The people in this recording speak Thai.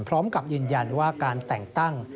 พร้อมกับยืนยันว่าการแต่งตั้ง